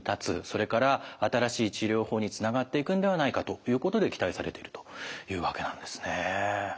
それから新しい治療法につながっていくのではないかということで期待されてるというわけなんですね。